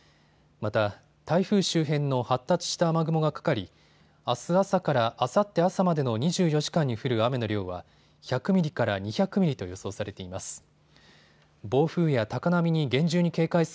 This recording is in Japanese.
また、台風周辺の発達した雨雲がかかりあす朝からあさって朝までの２４時間に降る雨の量は１００ミリから２００ミリと予想されています。